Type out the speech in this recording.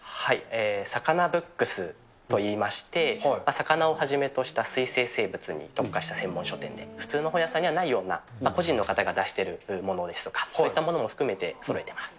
サカナブックスといいまして、魚をはじめとした水生生物に特化した専門書店で、普通の書店ではなくて、個人の方が出してるものですとか、そういったものも含めてそろえてます。